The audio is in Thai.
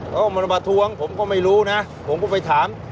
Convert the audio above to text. เขามาประท้วงผมก็ไม่รู้นะผมก็ไปถาม